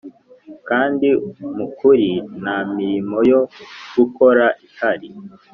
kandi mukuri nta mirimo yo gukora ihari.